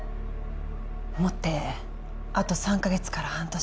もってあと３カ月から半年